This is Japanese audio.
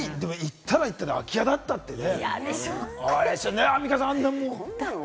家に行ったら行ったで、空き家だったってね。